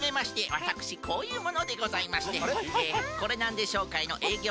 わたくしこういうものでございましてコレナンデ商会のえいぎょ